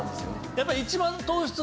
やっぱり。